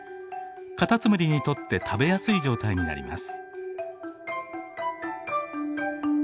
カタツムリにとって食べやすい状態になります。